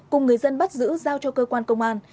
cùng người dân bắt giữ giao cho cơ quan công an